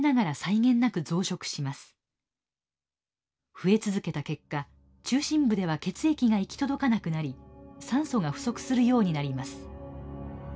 増え続けた結果中心部では血液が行き届かなくなり酸素が不足するようになります。